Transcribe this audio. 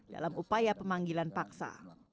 dalam upaya pemanggilan paksa